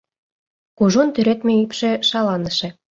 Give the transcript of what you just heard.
Кужун тӱредме ӱпшӧ шаланыше.